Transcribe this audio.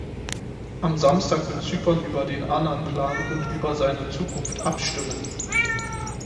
Am Samstag wird Zypern über den Annan-Plan und über seine Zukunft abstimmen.